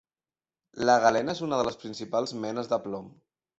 La galena és una de les principals menes de plom.